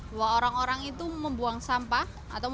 dua orang orang itu membuang sampah